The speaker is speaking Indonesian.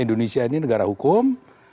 indonesia ini negara hukum